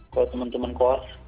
kalau teman teman koas